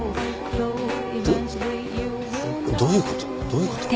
どどういうこと？